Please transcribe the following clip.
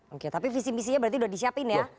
oke tapi visi misinya berarti sudah disiapin ya